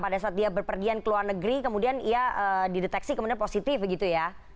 pada saat dia berpergian ke luar negeri kemudian ia dideteksi kemudian positif begitu ya